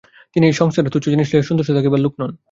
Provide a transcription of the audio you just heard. তিনি এই সংসারের তুচ্ছ জিনিষ লইয়া সন্তুষ্ট থাকিবার লোক নন।